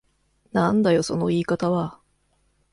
なんだよその言い方は。